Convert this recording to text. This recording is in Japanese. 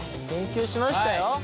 研究しましたよ